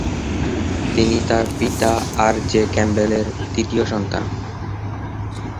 তিনি তার পিতা আর জে ক্যাম্পবেল এর তৃতীয় সন্তান।